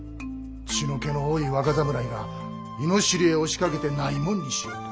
血の気の多い若侍が猪尻へ押しかけて亡い者にしようと。